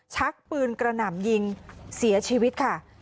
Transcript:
ชักปืนกระหน่ำยิงเสียชีวิตค่ะ